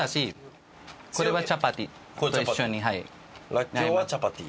らっきょうはチャパティ？